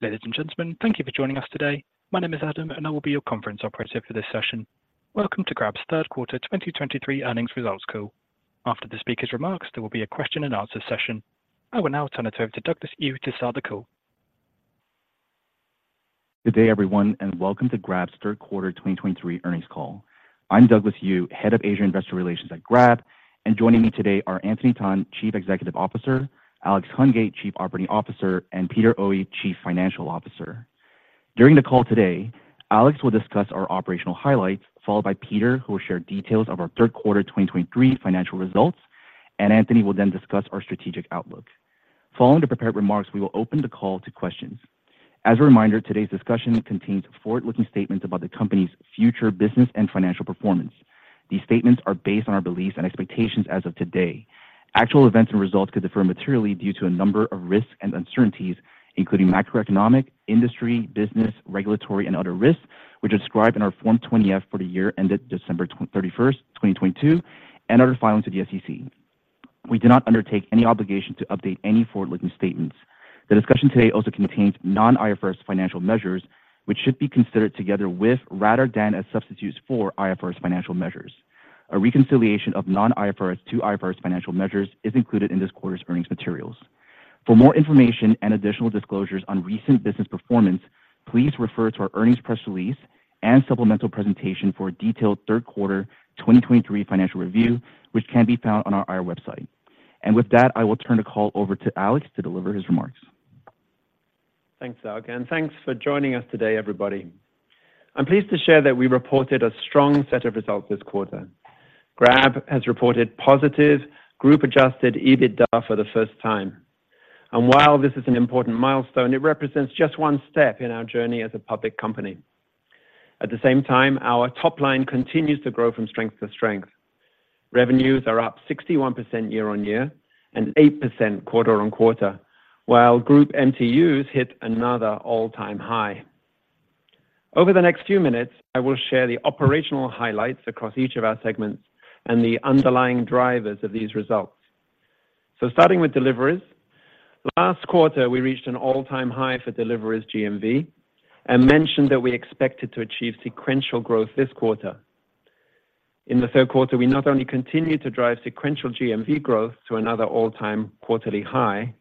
Ladies and gentlemen, thank you for joining us today. My name is Adam, and I will be your conference operator for this session. Welcome to Grab's third quarter 2023 earnings results call. After the speaker's remarks, there will be a question and answer session. I will now turn it over to Douglas Eu to start the call. Good day, everyone, and welcome to Grab's third quarter 2023 earnings call. I'm Douglas Eu, Head of Asia Investor Relations at Grab, and joining me today are Anthony Tan, Chief Executive Officer, Alex Hungate, Chief Operating Officer, and Peter Oey, Chief Financial Officer. During the call today, Alex will discuss our operational highlights, followed by Peter, who will share details of our third quarter 2023 financial results, and Anthony will then discuss our strategic outlook. Following the prepared remarks, we will open the call to questions. As a reminder, today's discussion contains forward-looking statements about the company's future, business, and financial performance. These statements are based on our beliefs and expectations as of today. Actual events and results could differ materially due to a number of risks and uncertainties, including macroeconomic, industry, business, regulatory, and other risks, which are described in our Form 20-F for the year ended December 31, 2022, and other filings with the SEC. We do not undertake any obligation to update any forward-looking statements. The discussion today also contains non-IFRS financial measures, which should be considered together with, rather than as substitutes for, IFRS financial measures. A reconciliation of non-IFRS to IFRS financial measures is included in this quarter's earnings materials. For more information and additional disclosures on recent business performance, please refer to our earnings press release and supplemental presentation for a detailed third quarter 2023 financial review, which can be found on our IR website. With that, I will turn the call over to Alex to deliver his remarks. Thanks, Doug, and thanks for joining us today, everybody. I'm pleased to share that we reported a strong set of results this quarter. Grab has reported positive group Adjusted EBITDA for the first time. And while this is an important milestone, it represents just one step in our journey as a public company. At the same time, our top line continues to grow from strength to strength. Revenues are up 61% year-on-year and 8% quarter-on-quarter, while group MTUs hit another all-time high. Over the next few minutes, I will share the operational highlights across each of our segments and the underlying drivers of these results. Starting with deliveries, last quarter, we reached an all-time high for deliveries GMV and mentioned that we expected to achieve sequential growth this quarter. In the third quarter, we not only continued to drive sequential GMV growth to another all-time quarterly high,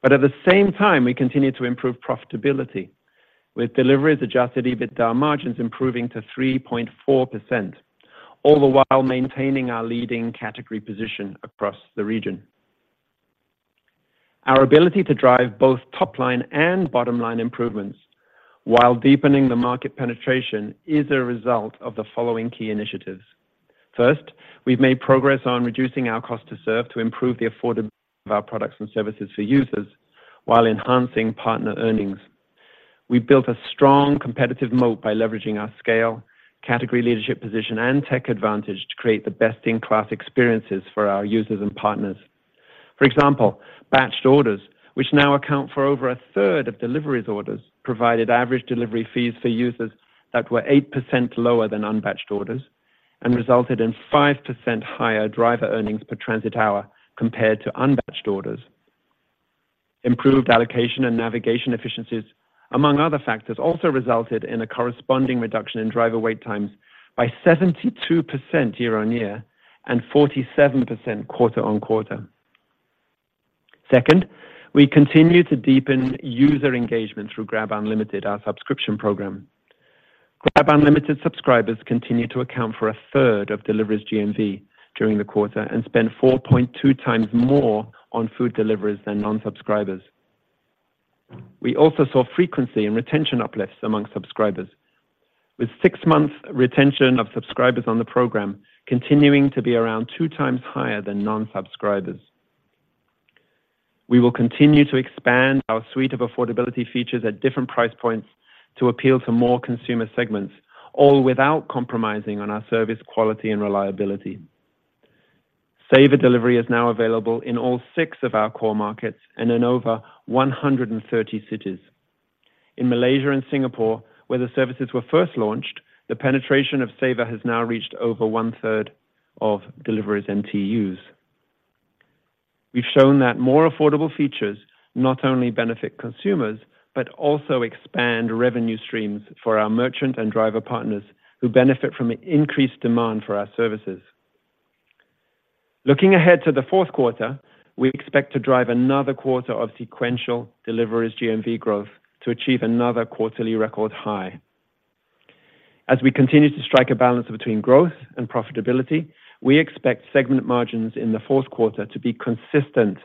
but at the same time, we continued to improve profitability, with deliveries Adjusted EBITDA margins improving to 3.4%, all the while maintaining our leading category position across the region. Our ability to drive both top line and bottom line improvements while deepening the market penetration is a result of the following key initiatives. First, we've made progress on reducing our cost to serve to improve the affordability of our products and services for users while enhancing partner earnings. We've built a strong competitive moat by leveraging our scale, category leadership position, and tech advantage to create the best-in-class experiences for our users and partners. For example, batched orders, which now account for over a third of delivery orders, provided average delivery fees for users that were 8% lower than unbatched orders and resulted in 5% higher driver earnings per transit hour compared to unbatched orders. Improved allocation and navigation efficiencies, among other factors, also resulted in a corresponding reduction in driver wait times by 72% year-on-year and 47% quarter-on-quarter. Second, we continue to deepen user engagement through GrabUnlimited, our subscription program. GrabUnlimited subscribers continue to account for a third of deliveries GMV during the quarter and spend 4.2 times more on food deliveries than non-subscribers. We also saw frequency and retention uplifts among subscribers, with six months retention of subscribers on the program continuing to be around two times higher than non-subscribers. We will continue to expand our suite of affordability features at different price points to appeal to more consumer segments, all without compromising on our service quality and reliability. Saver Delivery is now available in all six of our core markets and in over 130 cities. In Malaysia and Singapore, where the services were first launched, the penetration of Saver has now reached over one third of deliveries MTUs. We've shown that more affordable features not only benefit consumers, but also expand revenue streams for our merchant and driver partners who benefit from increased demand for our services. Looking ahead to the fourth quarter, we expect to drive another quarter of sequential deliveries GMV growth to achieve another quarterly record high. As we continue to strike a balance between growth and profitability, we expect segment margins in the fourth quarter to be consistent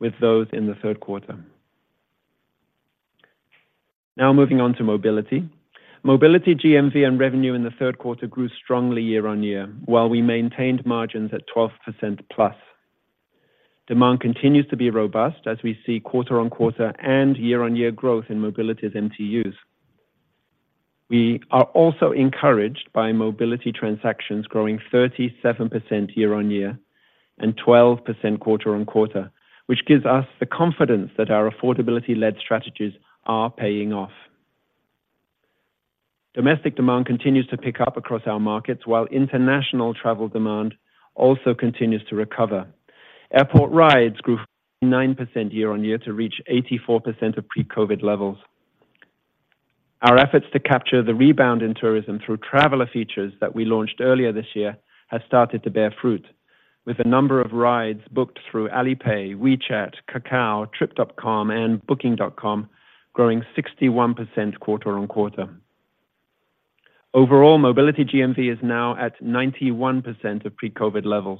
with those in the third quarter. Now moving on to mobility. Mobility GMV and revenue in the third quarter grew strongly year-on-year, while we maintained margins at 12%+. Demand continues to be robust as we see quarter-on-quarter and year-on-year growth in mobility's MTUs. We are also encouraged by mobility transactions growing 37% year-on-year and 12% quarter-on-quarter, which gives us the confidence that our affordability-led strategies are paying off.... Domestic demand continues to pick up across our markets, while international travel demand also continues to recover. Airport rides grew 9% year-on-year to reach 84% of pre-COVID levels. Our efforts to capture the rebound in tourism through traveler features that we launched earlier this year have started to bear fruit, with a number of rides booked through Alipay, WeChat, Kakao, Trip.com, and Booking.com growing 61% quarter-on-quarter. Overall, Mobility GMV is now at 91% of pre-COVID levels.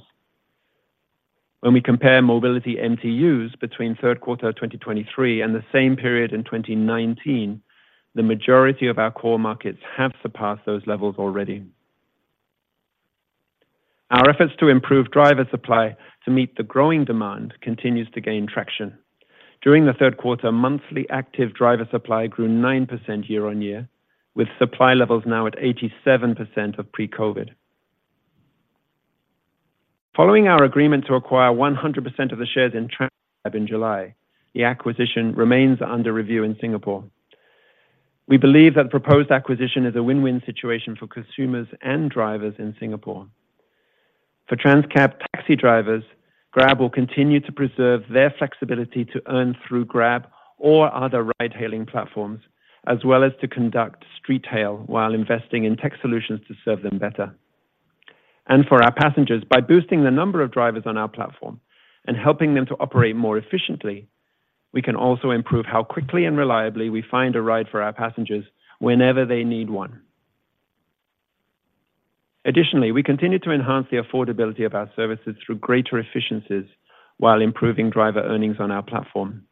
When we compare Mobility MTUs between third quarter of 2023 and the same period in 2019, the majority of our core markets have surpassed those levels already. Our efforts to improve driver supply to meet the growing demand continues to gain traction. During the third quarter, monthly active driver supply grew 9% year-on-year, with supply levels now at 87% of pre-COVID. Following our agreement to acquire 100% of the shares in Trans-Cab in July, the acquisition remains under review in Singapore. We believe that the proposed acquisition is a win-win situation for consumers and drivers in Singapore. For Trans-Cab taxi drivers, Grab will continue to preserve their flexibility to earn through Grab or other ride-hailing platforms, as well as to conduct street hail while investing in tech solutions to serve them better. And for our passengers, by boosting the number of drivers on our platform and helping them to operate more efficiently, we can also improve how quickly and reliably we find a ride for our passengers whenever they need one. Additionally, we continue to enhance the affordability of our services through greater efficiencies while improving driver earnings on our platform.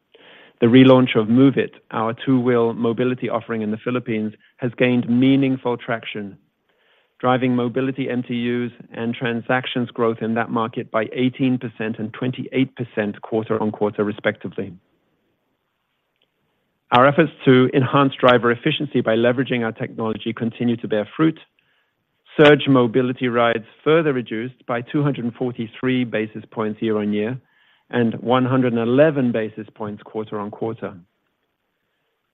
The relaunch of Move It, our two-wheel mobility offering in the Philippines, has gained meaningful traction, driving mobility MTUs and transactions growth in that market by 18% and 28% quarter-over-quarter, respectively. Our efforts to enhance driver efficiency by leveraging our technology continue to bear fruit. Surge mobility rides further reduced by 243 basis points year-over-year and 111 basis points quarter-over-quarter.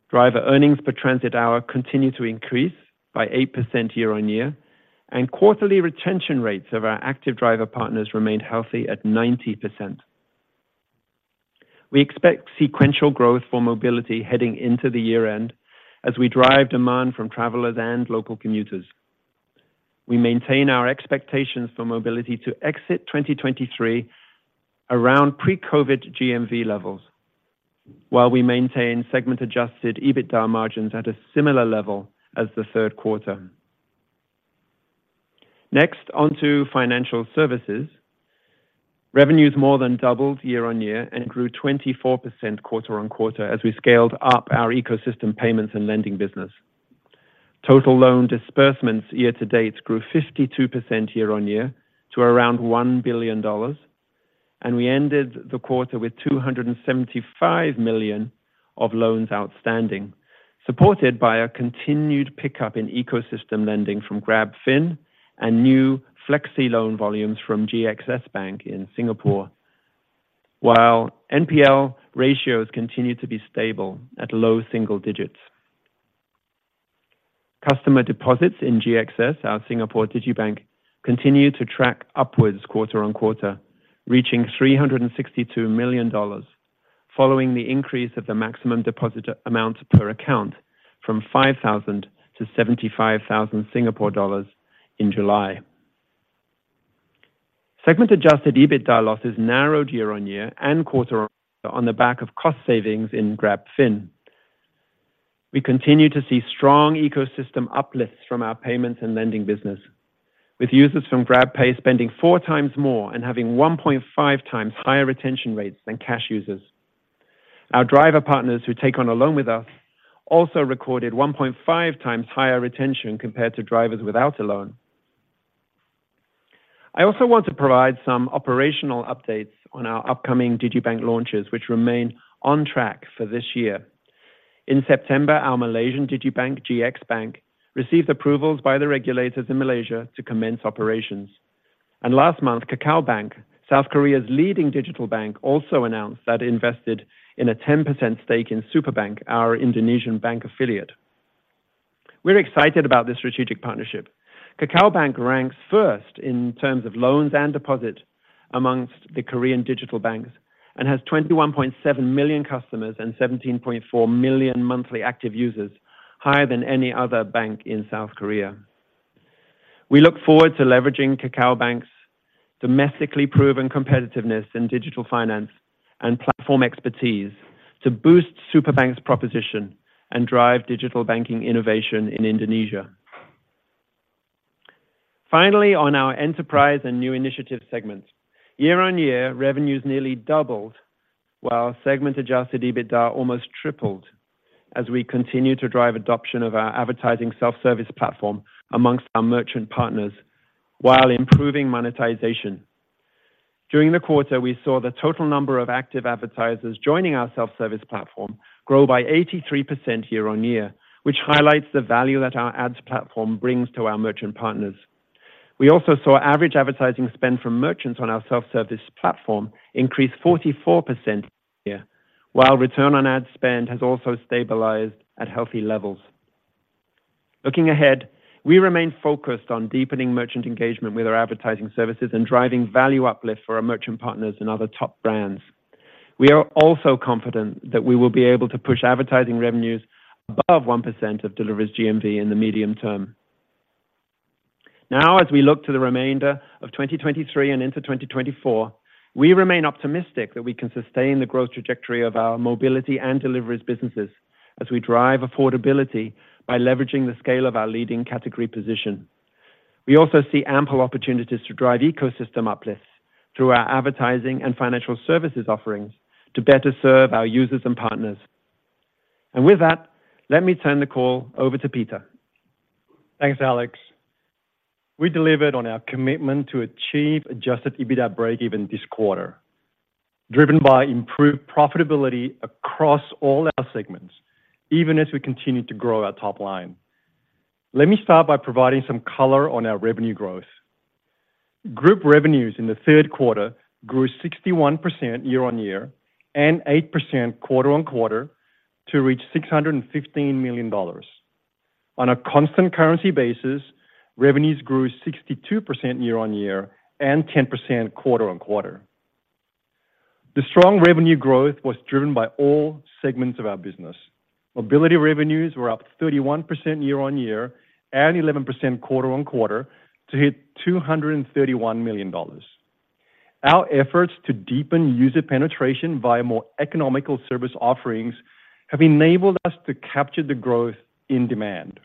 Driver earnings per transit hour continue to increase by 8% year-over-year, and quarterly retention rates of our active driver partners remained healthy at 90%. We expect sequential growth for Mobility heading into the year-end as we drive demand from travelers and local commuters. We maintain our expectations for Mobility to exit 2023 around pre-COVID GMV levels, while we maintain segment-adjusted EBITDA margins at a similar level as the third quarter. Next, on to financial services. Revenues more than doubled year-over-year and grew 24% quarter-over-quarter as we scaled up our ecosystem payments and lending business. Total loan disbursements year to date grew 52% year-on-year to around $1 billion, and we ended the quarter with $275 million of loans outstanding, supported by a continued pickup in ecosystem lending from GrabFin and new FlexiLoan volumes from GXS Bank in Singapore, while NPL ratios continue to be stable at low single digits. Customer deposits in GXS, our Singapore digibank, continue to track upwards quarter-on-quarter, reaching $362 million, following the increase of the maximum deposit amount per account from 5,000-75,000 Singapore dollars in July. Segment-adjusted EBITDA losses narrowed year-on-year and quarter-on-quarter on the back of cost savings in GrabFin. We continue to see strong ecosystem uplifts from our payments and lending business, with users from GrabPay spending four times more and having 1.5 times higher retention rates than cash users. Our driver partners who take on a loan with us also recorded 1.5 times higher retention compared to drivers without a loan. I also want to provide some operational updates on our upcoming digibank launches, which remain on track for this year. In September, our Malaysian digibank, GXBank, received approvals by the regulators in Malaysia to commence operations. Last month, Kakao Bank, South Korea's leading digital bank, also announced that it invested in a 10% stake in Superbank, our Indonesian bank affiliate. We're excited about this strategic partnership. Kakao Bank ranks first in terms of loans and deposits amongst the Korean digital banks and has 21.7 million customers and 17.4 million monthly active users, higher than any other bank in South Korea. We look forward to leveraging Kakao Bank's domestically proven competitiveness in digital finance and platform expertise to boost Superbank's proposition and drive digital banking innovation in Indonesia. Finally, on our enterprise and new initiatives segment. Year-on-year, revenues nearly doubled, while segment-adjusted EBITDA almost tripled as we continue to drive adoption of our advertising self-service platform amongst our merchant partners while improving monetization. During the quarter, we saw the total number of active advertisers joining our self-service platform grow by 83% year-on-year, which highlights the value that our ads platform brings to our merchant partners. We also saw average advertising spend from merchants on our self-service platform increase 44% year, while return on ad spend has also stabilized at healthy levels. Looking ahead, we remain focused on deepening merchant engagement with our advertising services and driving value uplift for our merchant partners and other top brands. We are also confident that we will be able to push advertising revenues above 1% of Deliveries GMV in the medium term. Now, as we look to the remainder of 2023 and into 2024, we remain optimistic that we can sustain the growth trajectory of our Mobility and Deliveries businesses as we drive affordability by leveraging the scale of our leading category position. We also see ample opportunities to drive ecosystem uplifts through our advertising and financial services offerings to better serve our users and partners. With that, let me turn the call over to Peter. Thanks, Alex. We delivered on our commitment to achieve Adjusted EBITDA breakeven this quarter, driven by improved profitability across all our segments, even as we continue to grow our top line. Let me start by providing some color on our revenue growth. Group revenues in the third quarter grew 61% year-on-year and 8% quarter-on-quarter to reach $615 million. On a constant currency basis, revenues grew 62% year-on-year and 10% quarter-on-quarter. The strong revenue growth was driven by all segments of our business. Mobility revenues were up 31% year-on-year and 11% quarter-on-quarter to hit $231 million. Our efforts to deepen user penetration via more economical service offerings have enabled us to capture the growth in demand.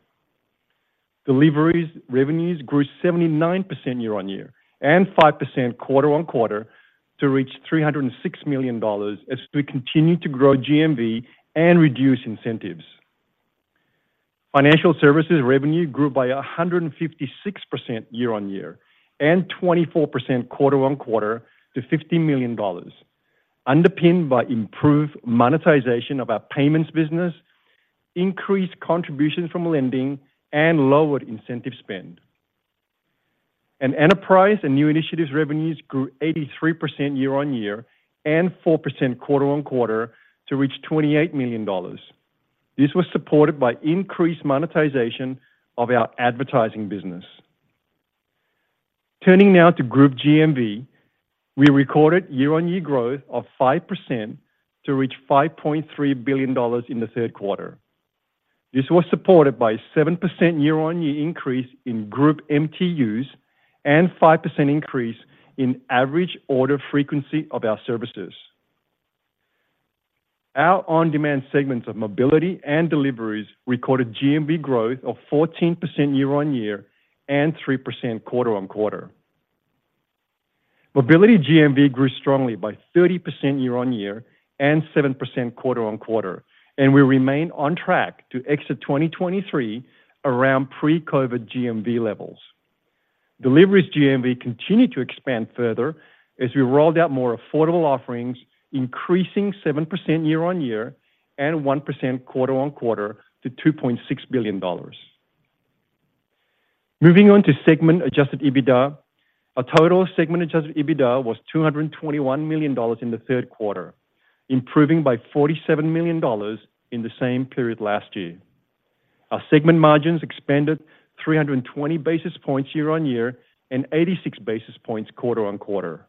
Deliveries revenues grew 79% year-on-year and 5% quarter-on-quarter to reach $306 million as we continue to grow GMV and reduce incentives. Financial services revenue grew by 156% year-on-year and 24% quarter-on-quarter to $50 million, underpinned by improved monetization of our payments business, increased contributions from lending, and lowered incentive spend. Enterprise and new initiatives revenues grew 83% year-on-year and 4% quarter-on-quarter to reach $28 million. This was supported by increased monetization of our advertising business. Turning now to Group GMV, we recorded year-on-year growth of 5% to reach $5.3 billion in the third quarter. This was supported by 7% year-on-year increase in group MTUs and 5% increase in average order frequency of our services. Our on-demand segments of Mobility and Deliveries recorded GMV growth of 14% year-on-year and 3% quarter-on-quarter. Mobility GMV grew strongly by 30% year-on-year and 7% quarter-on-quarter, and we remain on track to exit 2023 around pre-COVID GMV levels. Deliveries GMV continued to expand further as we rolled out more affordable offerings, increasing 7% year-on-year and 1% quarter-on-quarter to $2.6 billion. Moving on to segment adjusted EBITDA. Our total segment adjusted EBITDA was $221 million in the third quarter, improving by $47 million in the same period last year. Our segment margins expanded 320 basis points year-on-year and 86 basis points quarter-on-quarter.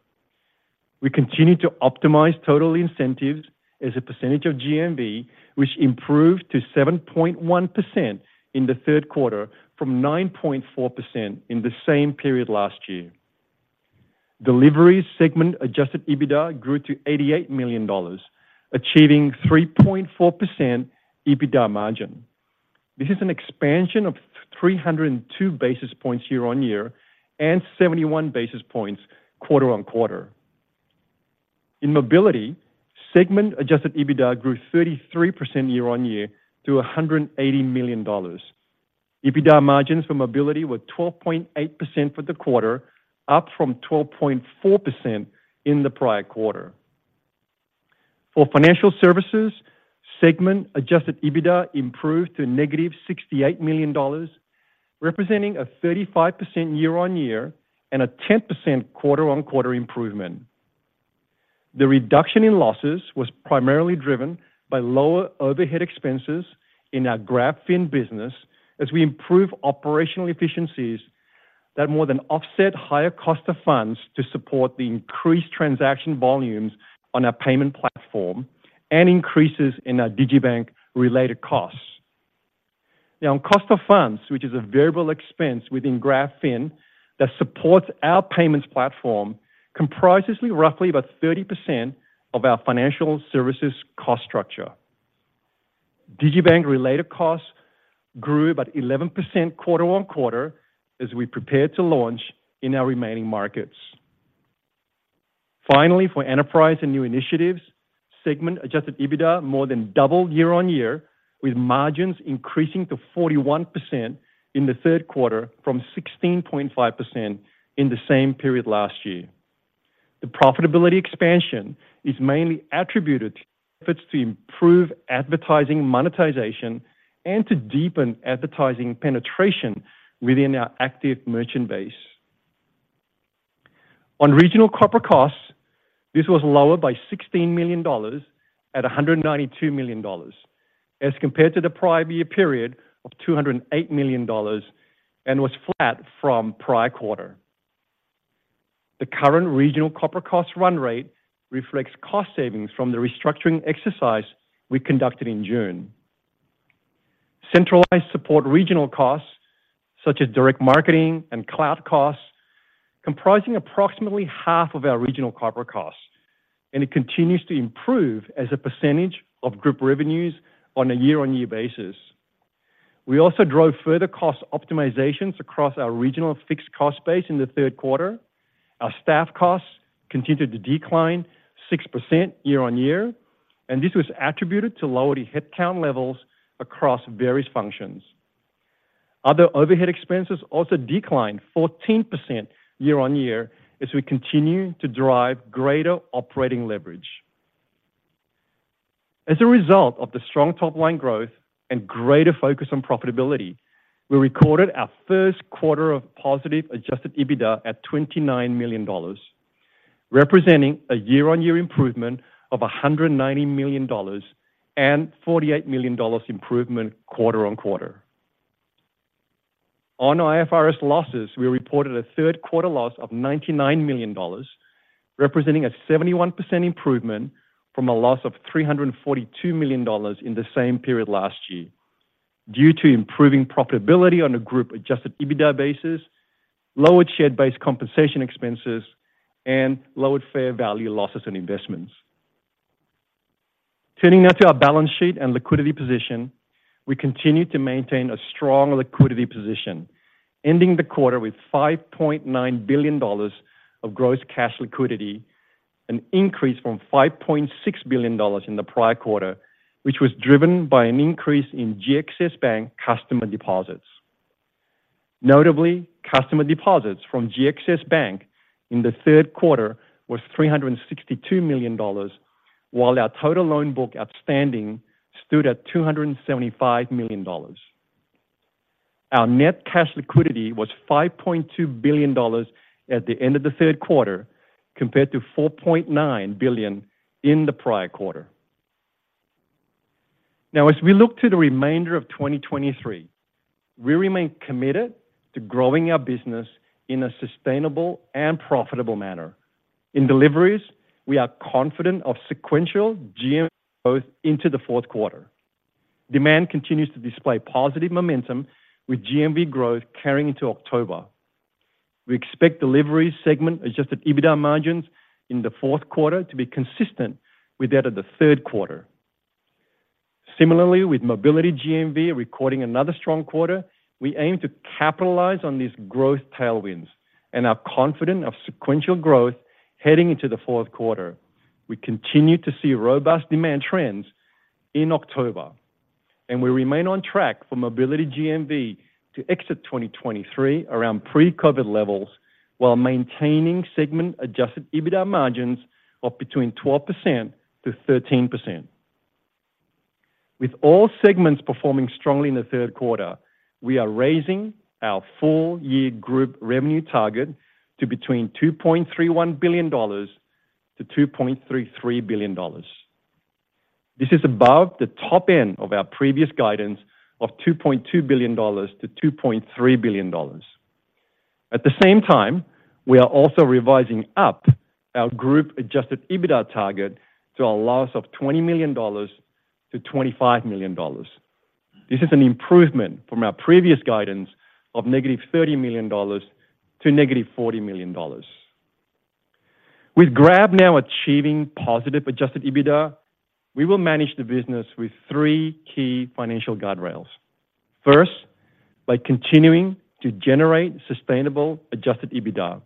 We continued to optimize total incentives as a percentage of GMV, which improved to 7.1% in the third quarter from 9.4% in the same period last year. Deliveries segment adjusted EBITDA grew to $88 million, achieving 3.4% EBITDA margin. This is an expansion of 302 basis points year-on-year and 71 basis points quarter-on-quarter. In Mobility, segment adjusted EBITDA grew 33% year-on-year to $180 million. EBITDA margins for Mobility were 12.8% for the quarter, up from 12.4% in the prior quarter. For Financial Services, segment adjusted EBITDA improved to -$68 million, representing a 35% year-on-year and a 10% quarter-on-quarter improvement. The reduction in losses was primarily driven by lower overhead expenses in our GrabFin business as we improve operational efficiencies that more than offset higher cost of funds to support the increased transaction volumes on our payment platform and increases in our digiBank related costs. Now, on cost of funds, which is a variable expense within GrabFin that supports our payments platform, comprises roughly about 30% of our financial services cost structure. DigiBank related costs grew about 11% quarter-on-quarter as we prepare to launch in our remaining markets. Finally, for Enterprise and new initiatives, segment Adjusted EBITDA more than doubled year-on-year, with margins increasing to 41% in the third quarter from 16.5% in the same period last year. The profitability expansion is mainly attributed to efforts to improve advertising monetization and to deepen advertising penetration within our active merchant base. On regional corporate costs, this was lower by $16 million at $192 million, as compared to the prior year period of $208 million, and was flat from prior quarter. The current regional corporate cost run rate reflects cost savings from the restructuring exercise we conducted in June. Centralized support regional costs, such as direct marketing and cloud costs, comprising approximately half of our regional corporate costs, and it continues to improve as a percentage of group revenues on a year-on-year basis. We also drove further cost optimizations across our regional fixed cost base in the third quarter. Our staff costs continued to decline 6% year-on-year, and this was attributed to lower headcount levels across various functions. Other overhead expenses also declined 14% year-on-year as we continue to drive greater operating leverage. As a result of the strong top-line growth and greater focus on profitability, we recorded our first quarter of positive Adjusted EBITDA at $29 million, representing a year-on-year improvement of $190 million, and forty-eight million dollars improvement quarter-on-quarter. On IFRS losses, we reported a third quarter loss of $99 million, representing a 71% improvement from a loss of $342 million in the same period last year, due to improving profitability on a group-adjusted EBITDA basis, lower share-based compensation expenses, and lower fair value losses and investments. Turning now to our balance sheet and liquidity position, we continue to maintain a strong liquidity position, ending the quarter with $5.9 billion of gross cash liquidity, an increase from $5.6 billion in the prior quarter, which was driven by an increase in GXS Bank customer deposits. Notably, customer deposits from GXS Bank in the third quarter was $362 million, while our total loan book outstanding stood at $275 million. Our net cash liquidity was $5.2 billion at the end of the third quarter, compared to $4.9 billion in the prior quarter. Now, as we look to the remainder of 2023, we remain committed to growing our business in a sustainable and profitable manner. In deliveries, we are confident of sequential GMV growth into the fourth quarter. Demand continues to display positive momentum with GMV growth carrying into October. We expect delivery segment Adjusted EBITDA margins in the fourth quarter to be consistent with that of the third quarter. Similarly, with mobility GMV recording another strong quarter, we aim to capitalize on these growth tailwinds and are confident of sequential growth heading into the fourth quarter. We continue to see robust demand trends in October, and we remain on track for mobility GMV to exit 2023 around pre-COVID levels, while maintaining segment-adjusted EBITDA margins of between 12%-13%. With all segments performing strongly in the third quarter, we are raising our full-year group revenue target to between $2.31 billion-$2.33 billion. This is above the top end of our previous guidance of $2.2 billion-$2.3 billion. At the same time, we are also revising up our group-adjusted EBITDA target to a loss of $20 million-$25 million. This is an improvement from our previous guidance of -$30 million to -$40 million. With Grab now achieving positive Adjusted EBITDA, we will manage the business with three key financial guardrails. First, by continuing to generate sustainable Adjusted EBITDA.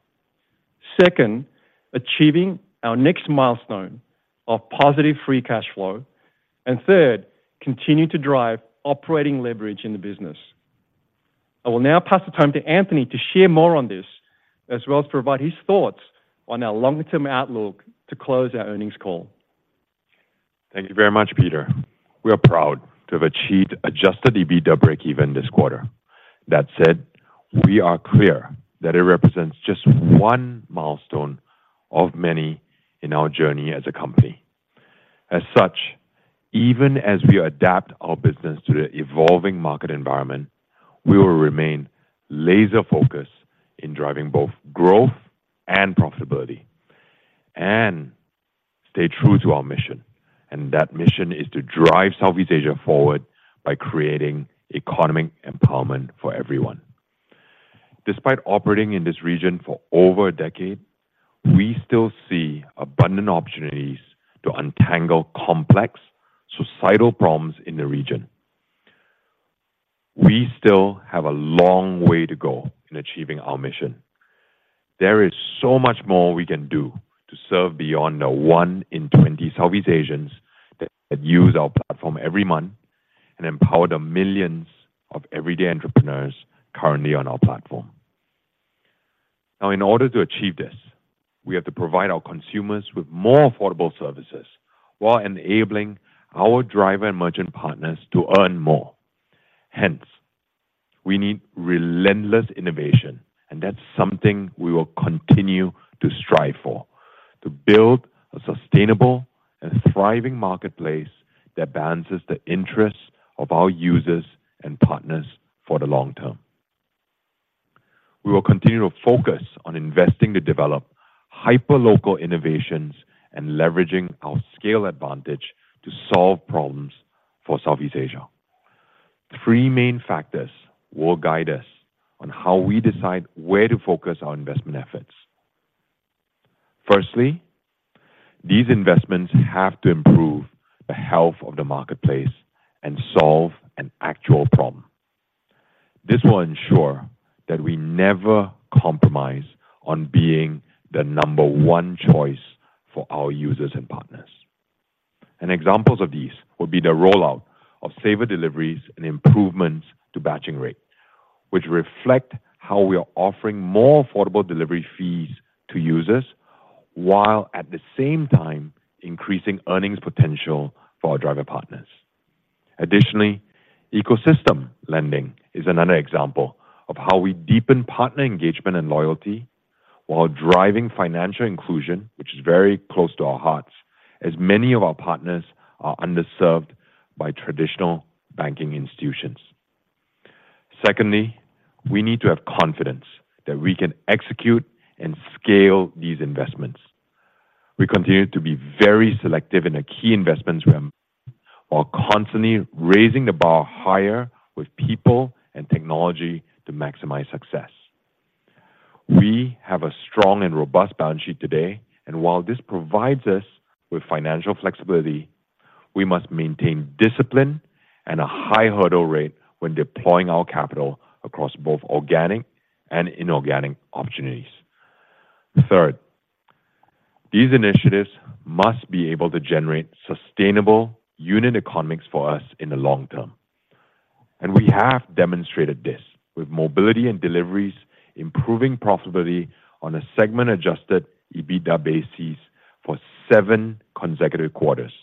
Second, achieving our next milestone of positive free cash flow. Third, continue to drive operating leverage in the business. I will now pass the time to Anthony to share more on this, as well as provide his thoughts on our long-term outlook to close our earnings call. Thank you very much, Peter. We are proud to have achieved Adjusted EBITDA breakeven this quarter. That said, we are clear that it represents just one milestone of many in our journey as a company. As such, even as we adapt our business to the evolving market environment, we will remain laser-focused in driving both growth and profitability and stay true to our mission, and that mission is to drive Southeast Asia forward by creating economic empowerment for everyone. Despite operating in this region for over a decade, we still see abundant opportunities to untangle complex societal problems in the region. We still have a long way to go in achieving our mission. There is so much more we can do to serve beyond the one in 20 Southeast Asians that use our platform every month... and empower the millions of everyday entrepreneurs currently on our platform. Now, in order to achieve this, we have to provide our consumers with more affordable services, while enabling our driver and merchant partners to earn more. Hence, we need relentless innovation, and that's something we will continue to strive for, to build a sustainable and thriving marketplace that balances the interests of our users and partners for the long term. We will continue to focus on investing to develop hyperlocal innovations and leveraging our scale advantage to solve problems for Southeast Asia. Three main factors will guide us on how we decide where to focus our investment efforts. Firstly, these investments have to improve the health of the marketplace and solve an actual problem. This will ensure that we never compromise on being the number one choice for our users and partners. Examples of these will be the rollout of Saver deliveries and improvements to batching rate, which reflect how we are offering more affordable delivery fees to users, while at the same time increasing earnings potential for our driver partners. Additionally, ecosystem lending is another example of how we deepen partner engagement and loyalty while driving financial inclusion, which is very close to our hearts, as many of our partners are underserved by traditional banking institutions. Secondly, we need to have confidence that we can execute and scale these investments. We continue to be very selective in the key investments we have, while constantly raising the bar higher with people and technology to maximize success. We have a strong and robust balance sheet today, and while this provides us with financial flexibility, we must maintain discipline and a high hurdle rate when deploying our capital across both organic and inorganic opportunities. Third, these initiatives must be able to generate sustainable unit economics for us in the long term, and we have demonstrated this with mobility and deliveries, improving profitability on a segment-adjusted EBITDA basis for seven consecutive quarters.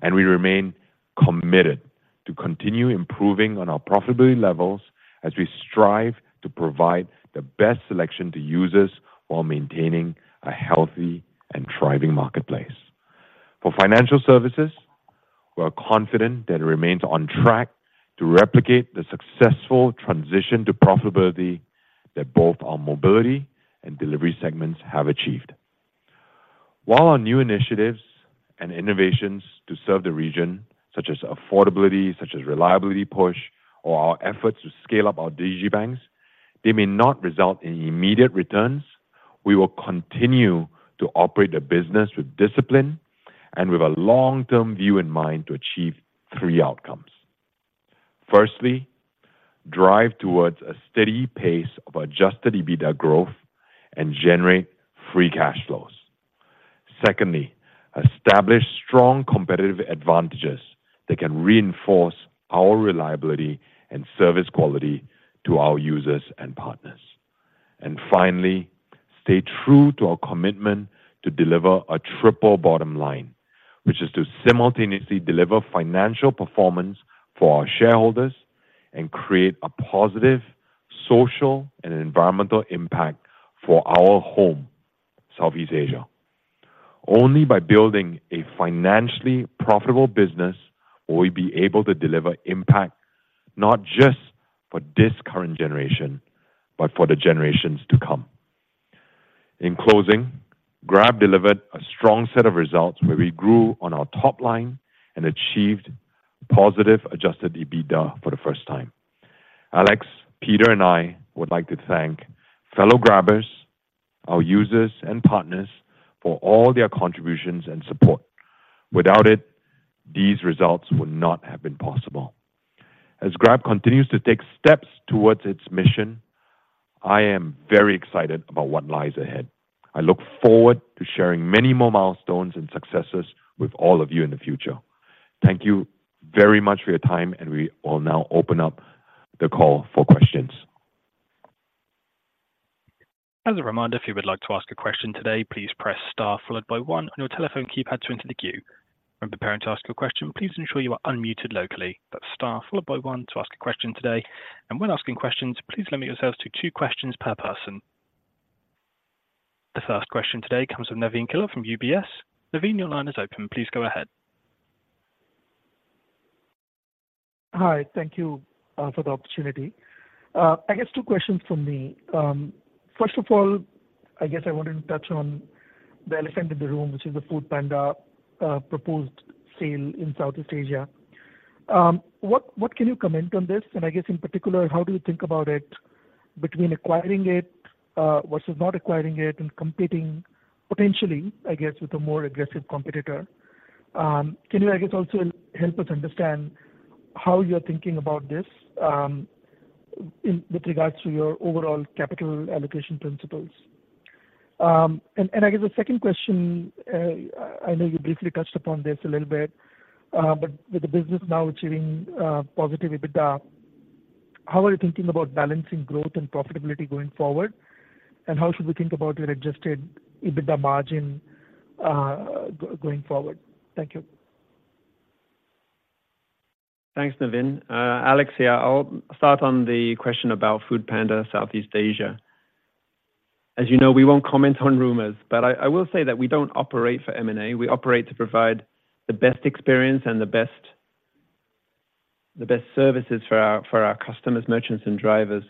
And we remain committed to continue improving on our profitability levels as we strive to provide the best selection to users while maintaining a healthy and thriving marketplace. For financial services, we are confident that it remains on track to replicate the successful transition to profitability that both our mobility and delivery segments have achieved. While our new initiatives and innovations to serve the region, such as affordability, such as reliability push, or our efforts to scale up our digibanks, they may not result in immediate returns. We will continue to operate the business with discipline and with a long-term view in mind to achieve three outcomes. Firstly, drive towards a steady pace of Adjusted EBITDA growth and generate free cash flows. Secondly, establish strong competitive advantages that can reinforce our reliability and service quality to our users and partners. And finally, stay true to our commitment to deliver a triple bottom line, which is to simultaneously deliver financial performance for our shareholders and create a positive social and environmental impact for our home, Southeast Asia. Only by building a financially profitable business will we be able to deliver impact, not just for this current generation, but for the generations to come. In closing, Grab delivered a strong set of results where we grew on our top line and achieved positive Adjusted EBITDA for the first time. Alex, Peter, and I would like to thank fellow Grabbers, our users and partners for all their contributions and support. Without it, these results would not have been possible. As Grab continues to take steps towards its mission, I am very excited about what lies ahead. I look forward to sharing many more milestones and successes with all of you in the future. Thank you very much for your time, and we will now open up the call for questions. As a reminder, if you would like to ask a question today, please press star followed by one on your telephone keypad to enter the queue. When preparing to ask your question, please ensure you are unmuted locally. That's star followed by one to ask a question today, and when asking questions, please limit yourselves to two questions per person. The first question today comes from Navin Killa from UBS. Navin, your line is open. Please go ahead. Hi. Thank you for the opportunity. I guess two questions from me. First of all, I guess I wanted to touch on the elephant in the room, which is the foodpanda proposed sale in Southeast Asia. What can you comment on this? And I guess in particular, how do you think about it between acquiring it versus not acquiring it and competing, potentially, with a more aggressive competitor? Can you also help us understand how you're thinking about this in with regards to your overall capital allocation principles? And I guess the second question, I know you briefly touched upon this a little bit, but with the business now achieving positive EBITDA, how are you thinking about balancing growth and profitability going forward? How should we think about your Adjusted EBITDA margin, going forward? Thank you. Thanks, Navin. Alex here. I'll start on the question about foodpanda Southeast Asia. As you know, we won't comment on rumors, but I, I will say that we don't operate for M&A. We operate to provide the best experience and the best, the best services for our, for our customers, merchants, and drivers,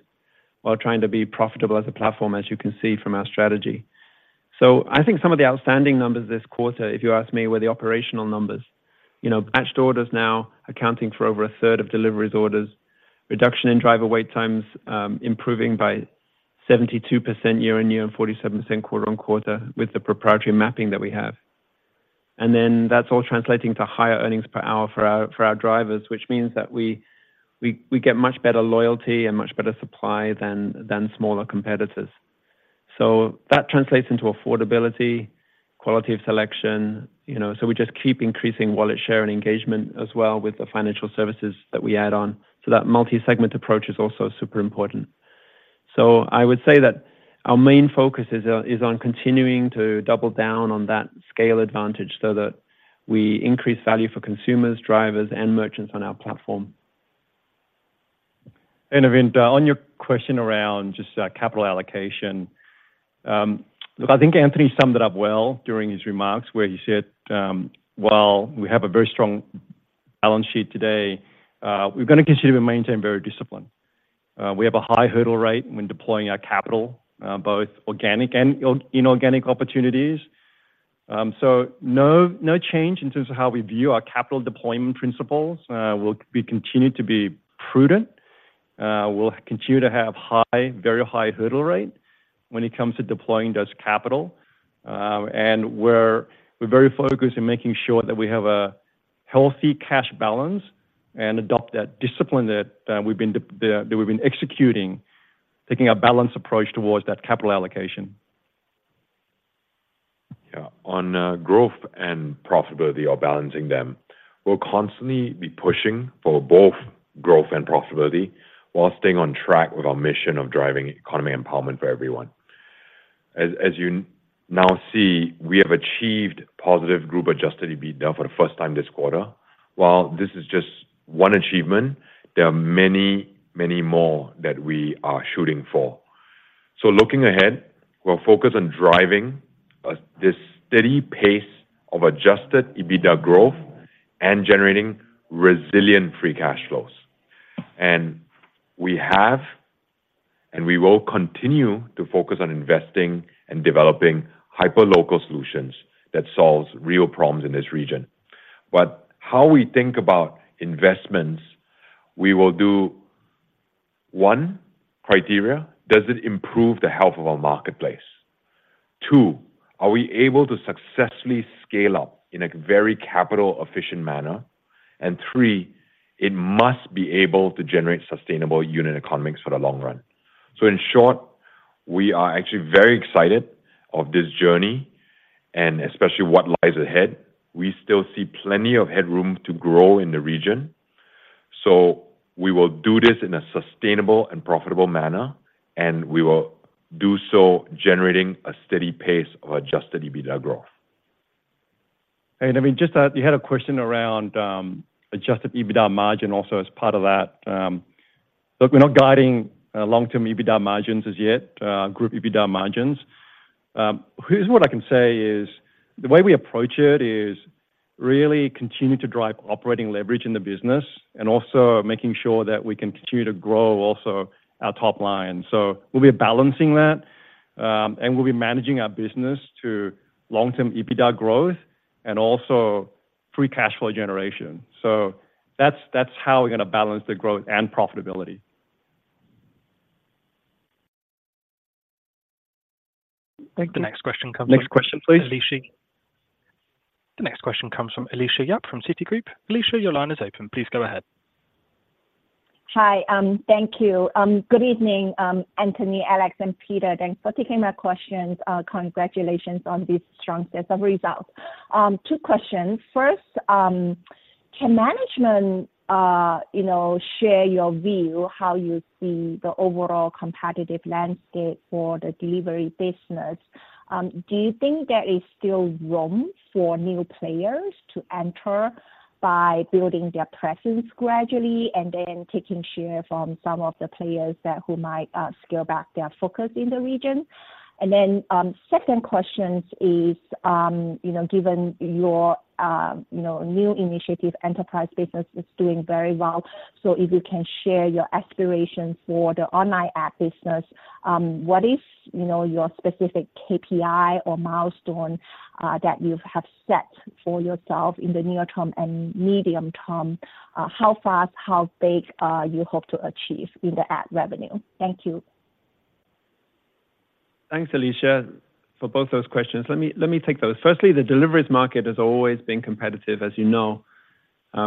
while trying to be profitable as a platform, as you can see from our strategy. So I think some of the outstanding numbers this quarter, if you ask me, were the operational numbers. You know, Batched orders now accounting for over a third of deliveries orders, reduction in driver wait times, improving by 72% year-on-year, and 47% quarter-on-quarter with the proprietary mapping that we have. Then that's all translating to higher earnings per hour for our drivers, which means that we get much better loyalty and much better supply than smaller competitors. That translates into affordability, quality of selection, you know, so we just keep increasing wallet share and engagement as well with the financial services that we add on. That multi-segment approach is also super important. I would say that our main focus is on continuing to double down on that scale advantage so that we increase value for consumers, drivers, and merchants on our platform. Navin, on your question around just capital allocation, look, I think Anthony summed it up well during his remarks, where he said, "While we have a very strong balance sheet today, we're gonna continue to maintain very discipline." We have a high hurdle rate when deploying our capital, both organic and inorganic opportunities. So no, no change in terms of how we view our capital deployment principles. We'll be continued to be prudent, we'll continue to have high, very high hurdle rate when it comes to deploying those capital. And we're, we're very focused in making sure that we have a healthy cash balance and adopt that discipline that, that we've been executing, taking a balanced approach towards that capital allocation. Yeah. On growth and profitability or balancing them, we'll constantly be pushing for both growth and profitability while staying on track with our mission of driving economy empowerment for everyone. As, as you now see, we have achieved positive group Adjusted EBITDA for the first time this quarter. While this is just one achievement, there are many, many more that we are shooting for. So looking ahead, we're focused on driving this steady pace of Adjusted EBITDA growth and generating resilient free cash flows. And we have, and we will continue to focus on investing and developing hyperlocal solutions that solves real problems in this region. But how we think about investments, we will do, one, criteria, does it improve the health of our marketplace? Two, are we able to successfully scale up in a very capital-efficient manner? Three, it must be able to generate sustainable unit economics for the long run. In short, we are actually very excited about this journey, and especially what lies ahead. We still see plenty of headroom to grow in the Asia region. We will do this in a sustainable and profitable manner, and we will do so generating a steady pace of adjusted EBITDA growth. And I mean, just, you had a question around, adjusted EBITDA margin also as part of that. Look, we're not guiding, long-term EBITDA margins as yet, group EBITDA margins. Here's what I can say is, the way we approach it is really continue to drive operating leverage in the business, and also making sure that we continue to grow also our top line. So we'll be balancing that, and we'll be managing our business to long-term EBITDA growth and also free cash flow generation. So that's, that's how we're gonna balance the growth and profitability. Thank you. The next question comes from- Next question, please. Alicia. The next question comes from Alicia Yap from Citigroup. Alicia, your line is open. Please go ahead. Hi, thank you. Good evening, Anthony, Alex, and Peter. Thanks for taking my questions. Congratulations on this strong set of results. Two questions. First, can management, you know, share your view, how you see the overall competitive landscape for the delivery business? Do you think there is still room for new players to enter by building their presence gradually, and then taking share from some of the players that, who might, scale back their focus in the region? And then, second question is, you know, given your, you know, new initiative enterprise business is doing very well, so if you can share your aspirations for the online app business, what is, you know, your specific KPI or milestone, that you have set for yourself in the near term and medium term? How fast, how big, you hope to achieve in the ad revenue? Thank you. Thanks, Alicia, for both those questions. Let me, let me take those. Firstly, the deliveries market has always been competitive, as you know.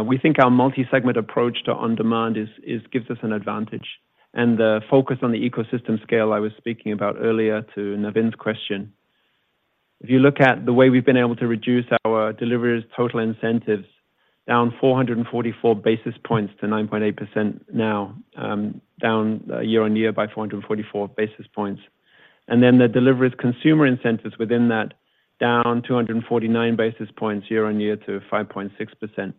We think our multi-segment approach to on-demand is gives us an advantage, and the focus on the ecosystem scale I was speaking about earlier to Navin's question. If you look at the way we've been able to reduce our deliveries total incentives down 444 basis points to 9.8% now, down year-on-year by 444 basis points. And then the deliveries consumer incentives within that down 249 basis points year-on-year to 5.6%.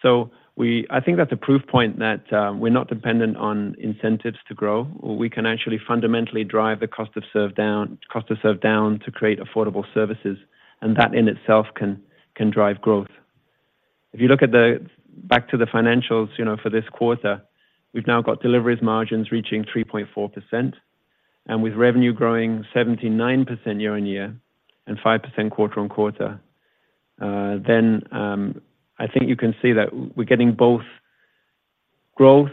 So we—I think that's a proof point that, we're not dependent on incentives to grow, or we can actually fundamentally drive the cost of serve down, cost of serve down to create affordable services, and that in itself can drive growth. If you look at back to the financials, you know, for this quarter, we've now got deliveries margins reaching 3.4%, and with revenue growing 79% year-on-year and 5% quarter-on-quarter. Then, I think you can see that we're getting both growth,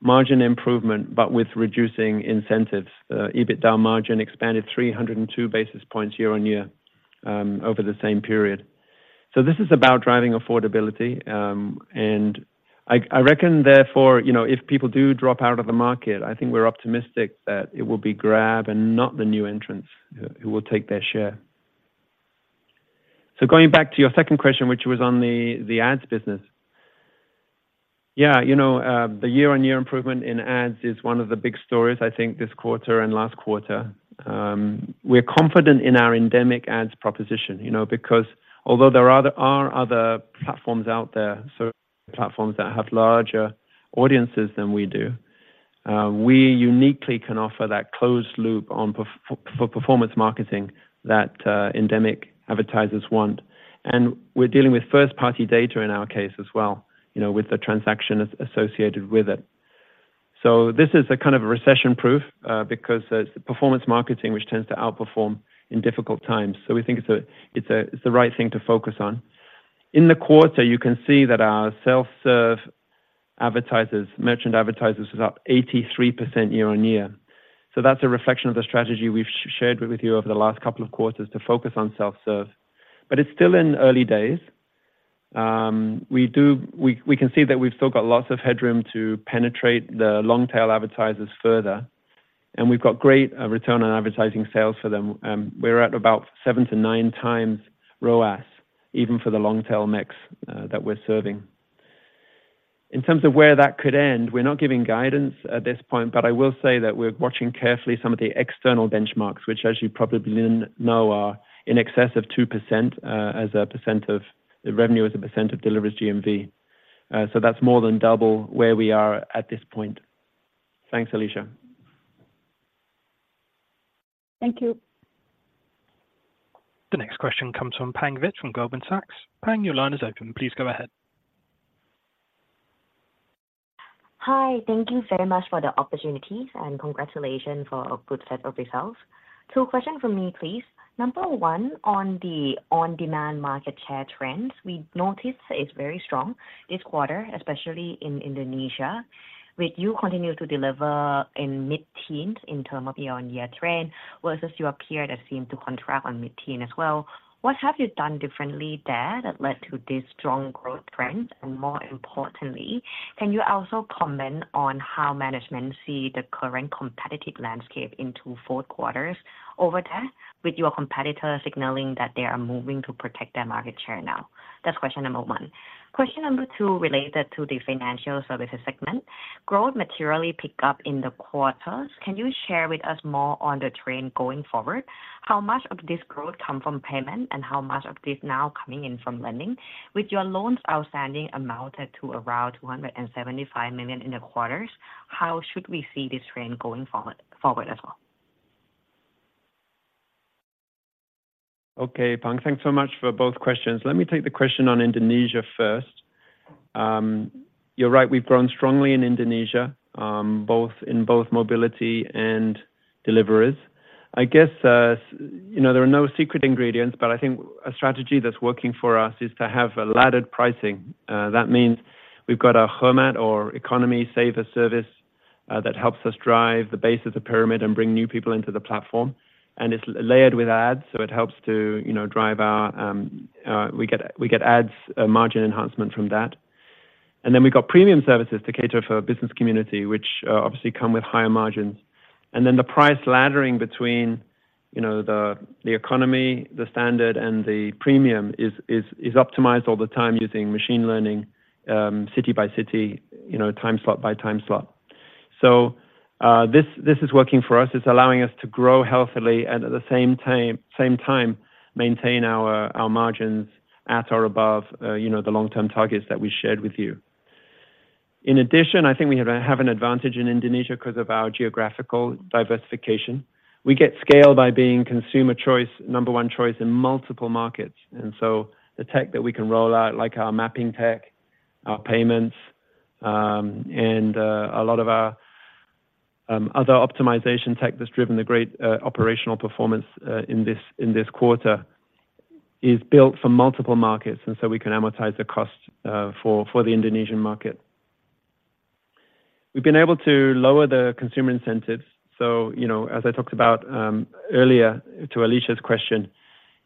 margin improvement, but with reducing incentives. EBITDA margin expanded 302 basis points year-on-year, over the same period. So this is about driving affordability, and I reckon therefore, you know, if people do drop out of the market, I think we're optimistic that it will be Grab and not the new entrants who will take their share. So going back to your second question, which was on the, the ads business. Yeah, you know, the year-on-year improvement in ads is one of the big stories, I think, this quarter and last quarter. We're confident in our endemic ads proposition, you know, because although there are other platforms out there, platforms that have larger audiences than we do, we uniquely can offer that closed loop on performance marketing that endemic advertisers want. And we're dealing with first-party data in our case as well, you know, with the transaction associated with it. So this is a kind of a recession-proof, because it's performance marketing, which tends to outperform in difficult times. So we think it's a, it's the right thing to focus on. In the quarter, you can see that our self-serve advertisers, merchant advertisers, was up 83% year-on-year. So that's a reflection of the strategy we've shared with you over the last couple of quarters to focus on self-serve. But it's still in early days. We can see that we've still got lots of headroom to penetrate the long-tail advertisers further, and we've got great return on advertising sales for them. We're at about 7-9 times ROAS, even for the long-tail mix that we're serving. In terms of where that could end, we're not giving guidance at this point, but I will say that we're watching carefully some of the external benchmarks, which, as you probably know, are in excess of 2%, as a percent of the revenue, as a percent of deliveries GMV. So that's more than double where we are at this point. Thanks, Alicia. Thank you. The next question comes from Pang Vittayaamnuaykoon from Goldman Sachs. Pang, your line is open. Please go ahead. Hi, thank you very much for the opportunities, and congratulations for a good set of results. Two questions from me, please. Number one, on the on-demand market share trends, we noticed it's very strong this quarter, especially in Indonesia, which you continue to deliver in mid-teen in terms of year-on-year trend, versus your peer that seem to contract on mid-teen as well. What have you done differently there that led to this strong growth trend? And more importantly, can you also comment on how management see the current competitive landscape into fourth quarters over there, with your competitor signaling that they are moving to protect their market share now? That's question number one. Question number two, related to the financial services segment. Growth materially pick up in the quarters. Can you share with us more on the trend going forward? How much of this growth come from payment, and how much of this now coming in from lending? With your loans outstanding amounted to around $275 million in the quarters, how should we see this trend going forward, forward as well? Okay, Pang, thanks so much for both questions. Let me take the question on Indonesia first. You're right, we've grown strongly in Indonesia, both in both mobility and deliveries. I guess, you know, there are no secret ingredients, but I think a strategy that's working for us is to have a laddered pricing. That means we've got our Hemat or economy saver service, that helps us drive the base of the pyramid and bring new people into the platform. And it's layered with ads, so it helps to, you know, drive our, we get ads, margin enhancement from that. And then we've got premium services to cater for business community, which, obviously come with higher margins. Then the price laddering between, you know, the economy, the standard, and the Premium is optimized all the time using machine learning, city by city, you know, time slot by time slot. So, this is working for us. It's allowing us to grow healthily and at the same time maintain our margins at or above, you know, the long-term targets that we shared with you. In addition, I think we have an advantage in Indonesia because of our geographical diversification. We get scale by being consumer choice, number one choice in multiple markets, and so the tech that we can roll out, like our mapping tech, our payments, and a lot of our other optimization tech that's driven the great operational performance in this quarter, is built for multiple markets, and so we can amortize the cost for the Indonesian market. We've been able to lower the consumer incentives. So, you know, as I talked about earlier to Alicia's question,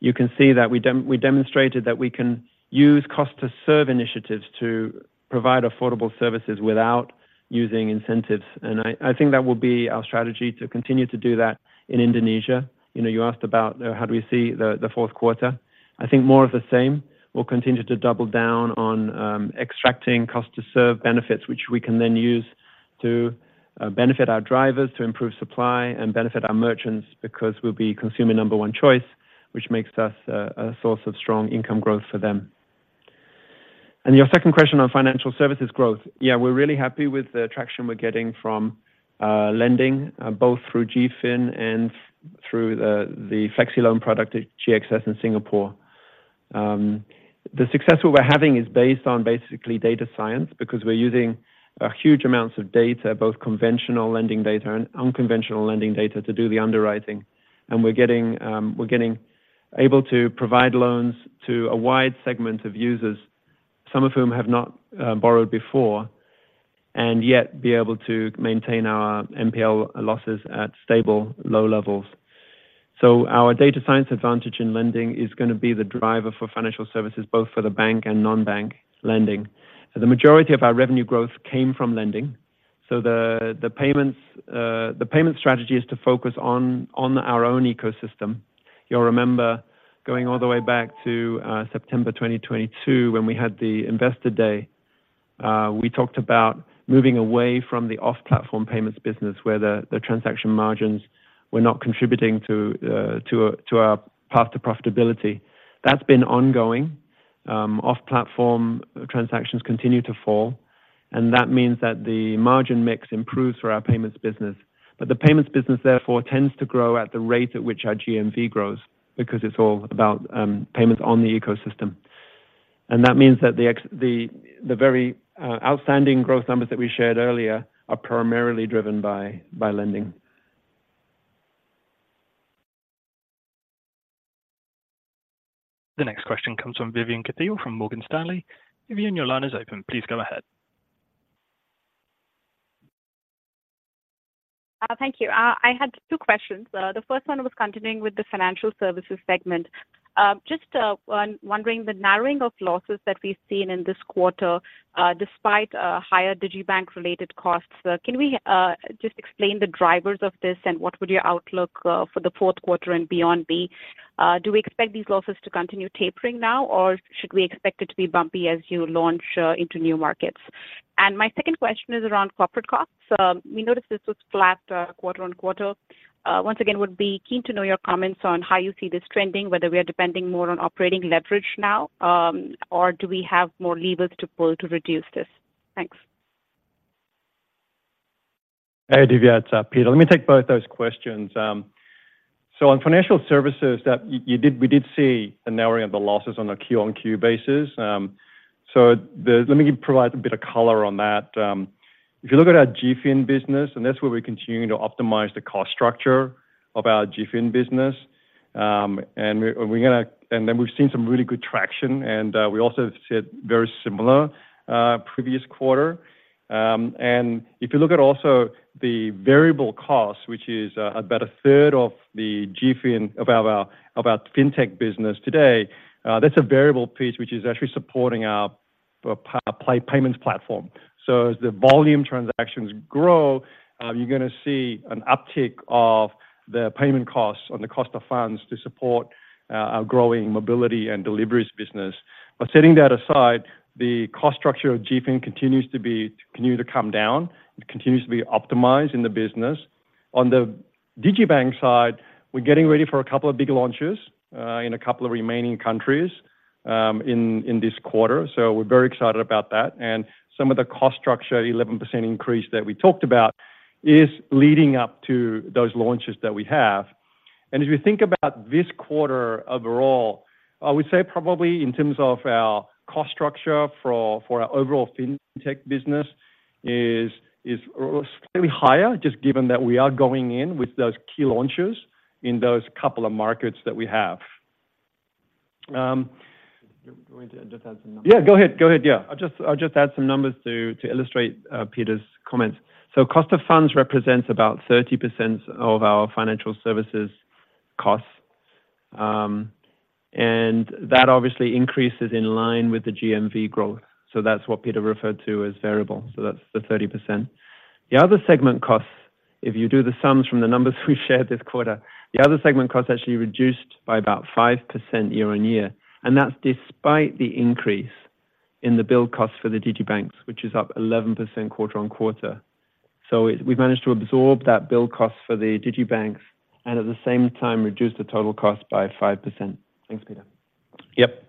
you can see that we demonstrated that we can use cost to serve initiatives to provide affordable services without using incentives. And I think that will be our strategy to continue to do that in Indonesia. You know, you asked about how do we see the fourth quarter? I think more of the same. We'll continue to double down on extracting cost to serve benefits, which we can then use to benefit our drivers, to improve supply and benefit our merchants, because we'll be consumer number one choice, which makes us a source of strong income growth for them. And your second question on financial services growth. Yeah, we're really happy with the traction we're getting from lending both through GFin and through the FlexiLoan product at GXS in Singapore. The success that we're having is based on basically data science, because we're using huge amounts of data, both conventional lending data and unconventional lending data, to do the underwriting. We're getting able to provide loans to a wide segment of users, some of whom have not borrowed before, and yet be able to maintain our NPL losses at stable, low levels. Our data science advantage in lending is gonna be the driver for financial services, both for the bank and non-bank lending. The majority of our revenue growth came from lending, so the payments, the payment strategy is to focus on our own ecosystem. You'll remember going all the way back to September 2022, when we had the Investor Day, we talked about moving away from the off-platform payments business, where the transaction margins were not contributing to our path to profitability. That's been ongoing. Off-platform transactions continue to fall, and that means that the margin mix improves for our payments business. But the payments business, therefore, tends to grow at the rate at which our GMV grows, because it's all about payments on the ecosystem. And that means that the very outstanding growth numbers that we shared earlier are primarily driven by lending. The next question comes from Vivian Kathir from Morgan Stanley. Vivian, your line is open. Please go ahead. Thank you. I had two questions. The first one was continuing with the financial services segment. Just on wondering, the narrowing of losses that we've seen in this quarter, despite higher digibank-related costs, can we just explain the drivers of this, and what would your outlook for the fourth quarter and beyond be? Do we expect these losses to continue tapering now, or should we expect it to be bumpy as you launch into new markets? And my second question is around corporate costs. We noticed this was flat quarter-over-quarter. Once again, would be keen to know your comments on how you see this trending, whether we are depending more on operating leverage now, or do we have more levers to pull to reduce this? Thanks. Hey, Vivian, it's Peter. Let me take both those questions. So on financial services, that we did see a narrowing of the losses on a Q-on-Q basis. Let me provide a bit of color on that. If you look at our GFin business, and that's where we're continuing to optimize the cost structure of our GFin business, and we're gonna, and then we've seen some really good traction, and we also said very similar previous quarter. And if you look at also the variable costs, which is about a third of the GFin of our fintech business today, that's a variable piece which is actually supporting our payments platform. So as the volume transactions grow, you're gonna see an uptick of the payment costs on the cost of funds to support our growing mobility and deliveries business. But setting that aside, the cost structure of GFin continues to be, continue to come down. It continues to be optimized in the business. On the digibank side, we're getting ready for a couple of big launches in a couple of remaining countries in this quarter. So we're very excited about that. And some of the cost structure, 11% increase that we talked about, is leading up to those launches that we have. As we think about this quarter overall, I would say probably in terms of our cost structure for our overall fintech business is slightly higher, just given that we are going in with those key launches in those couple of markets that we have. Do you want me to just add some numbers? Yeah, go ahead. Go ahead, yeah. I'll just, I'll just add some numbers to illustrate Peter's comments. So cost of funds represents about 30% of our financial services costs, and that obviously increases in line with the GMV growth. So that's what Peter referred to as variable. So that's the 30%. The other segment costs, if you do the sums from the numbers we shared this quarter, the other segment costs actually reduced by about 5% year-on-year, and that's despite the increase in the build costs for the digital banks, which is up 11% quarter-on-quarter. So we've managed to absorb that build cost for the digital banks and at the same time reduce the total cost by 5%. Thanks, Peter. Yep.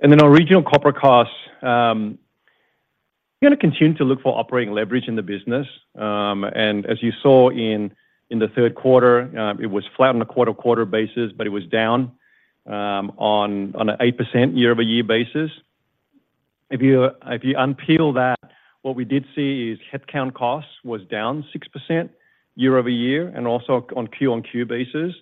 Then our regional corporate costs, we're gonna continue to look for operating leverage in the business. And as you saw in the third quarter, it was flat on a quarter-to-quarter basis, but it was down on a 8% year-over-year basis. If you unpeel that, what we did see is headcount costs was down 6% year-over-year and also on Q-on-Q basis,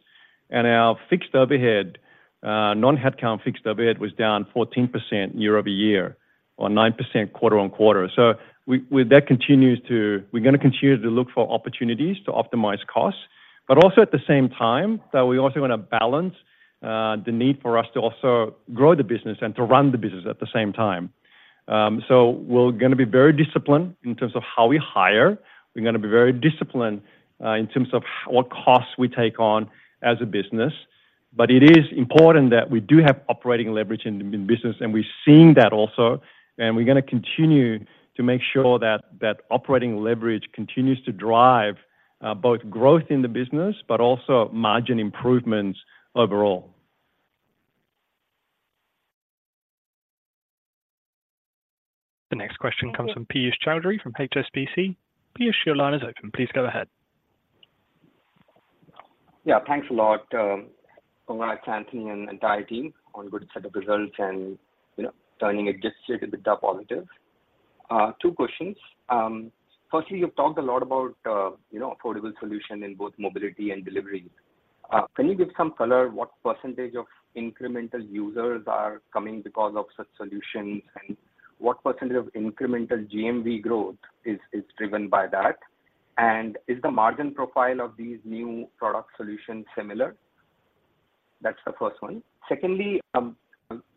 and our fixed overhead- Non-headcount fixed overhead was down 14% year-over-year or 9% quarter-over-quarter. So we're gonna continue to look for opportunities to optimize costs, but also at the same time, we also want to balance the need for us to also grow the business and to run the business at the same time. So we're gonna be very disciplined in terms of how we hire. We're gonna be very disciplined in terms of what costs we take on as a business, but it is important that we do have operating leverage in business, and we're seeing that also, and we're gonna continue to make sure that operating leverage continues to drive both growth in the business, but also margin improvements overall. The next question comes from Piyush Choudhary, from HSBC. Piyush, your line is open. Please go ahead. Yeah, thanks a lot, Alex, Anthony, and the entire team, on good set of results and, you know, turning it just a little bit positive. Two questions. Firstly, you've talked a lot about, you know, affordable solution in both mobility and delivery. Can you give some color, what percentage of incremental users are coming because of such solutions? And what percentage of incremental GMV growth is driven by that? And is the margin profile of these new product solutions similar? That's the first one. Secondly, you